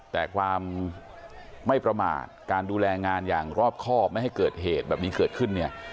แต่ความไม่ประมาทการดูแลงานอย่างรอบครอบไม่ให้เกิดเหตุแบบนี้เกิดขึ้นเนี่ย